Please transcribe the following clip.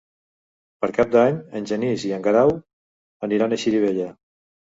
Per Cap d'Any en Genís i en Grau aniran a Xirivella.